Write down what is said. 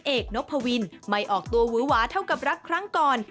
เอกนพวินไม่ออกตัววื้อหวาเท่ากับรักครั้งก่อน